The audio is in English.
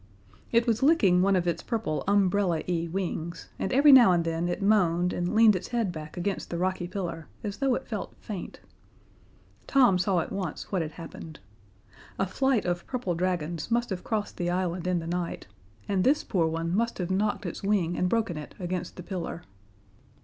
It was licking one of its purple umbrella y wings, and every now and then it moaned and leaned its head back against the rocky pillar as though it felt faint. Tom saw at once what had happened. A flight of purple dragons must have crossed the island in the night, and this poor one must have knocked its wing and broken it against the pillar.